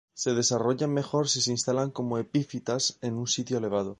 Se desarrollan mejor si se instalan como epífitas en un sitio elevado.